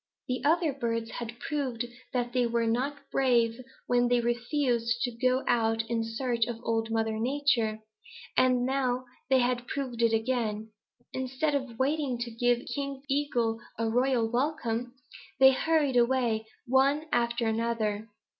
The other birds had proved that they were not brave when they had refused to go out in search of Old Mother Nature, and now they proved it again. Instead of waiting to give King Eagle a royal welcome, they hurried away, one after another.